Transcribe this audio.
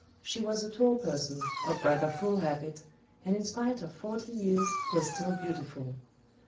She was a tall person, of rather full habit, and in spite of forty years was still beautiful.